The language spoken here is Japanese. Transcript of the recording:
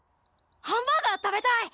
ハンバーガー食べたい！